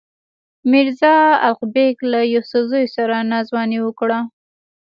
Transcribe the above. میرزا الغ بېګ له یوسفزیو سره ناځواني وکړه.